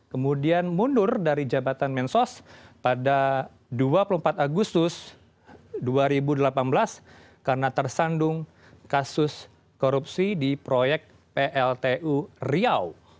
kemudian mundur dari jabatan mensos pada dua puluh empat agustus dua ribu delapan belas karena tersandung kasus korupsi di proyek pltu riau